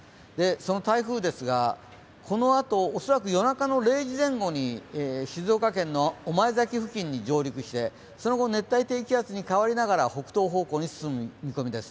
その台風ですがこのあと、おそらく夜中の０時前後に静岡県の御前崎付近に上陸して、その後、熱帯低気圧に変わりながら北東方向に進む見込みです。